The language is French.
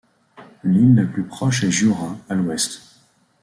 L'île la plus proche est Gioura, à l'ouest.